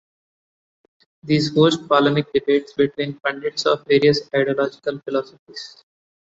These host polemic debates between pundits of various ideological philosophies.